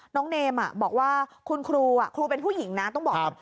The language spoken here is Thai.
เนมบอกว่าคุณครูครูเป็นผู้หญิงนะต้องบอกก่อน